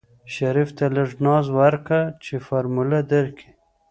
شريف ته لږ ناز ورکه چې فارموله درکي.